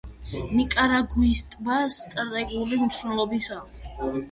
ნიკარაგუის ტბა სტრატეგიული მნიშვნელობისაა.